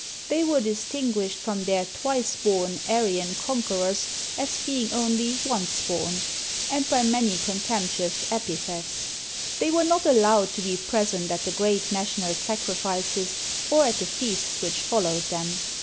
They were distinguished from their "Twice born" Ar^'an conquerors as being only ''Once born," and by many contemptuous epithets. They were not allowed to be present at the great national sacrifices or at the feasts which followed them.